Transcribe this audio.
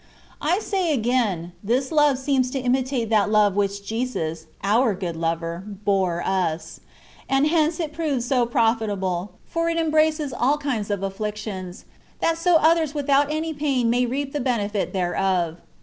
I say again, this love seems to imitate that love which Jesus — our good lover — ^bore us ; and hence it proves so profitable, for it embraces all kinds of afflictions, that so others without any pain may reap the benefit thereof.